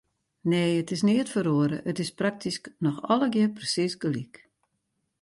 Nee, it is neat feroare, it is praktysk noch allegear presiis gelyk.